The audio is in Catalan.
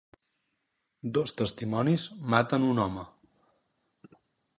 Dos testimonis maten un home.